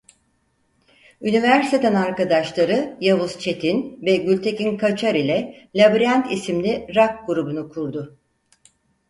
Üniversiteden arkadaşları Yavuz Çetin ve Gültekin Kaçar ile Labirent isimli rock grubunu kurdu.